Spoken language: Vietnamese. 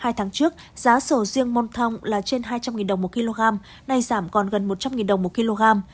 năm trước giá sâu riêng môn thông là trên hai trăm linh đồng một kg nay giảm còn gần một trăm linh đồng một kg